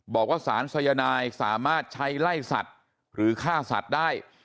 บอกว่าสารสายนายสามารถใช้ไล่สัตว์หรือฆ่าสัตว์ได้